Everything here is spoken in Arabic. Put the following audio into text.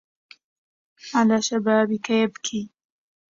على شبابك يبكي